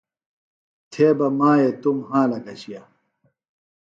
تھے بہ مائیے توۡ مھالہ گھشیِہ